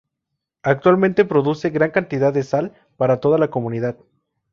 Actualmente producen gran cantidad de sal para toda la comunidad.